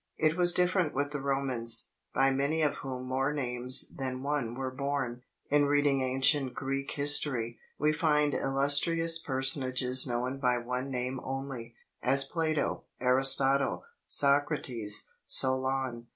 It was different with the Romans, by many of whom more names than one were borne. In reading ancient Greek history, we find illustrious personages known by one name only, as Plato, Aristotle, Socrates, Solon.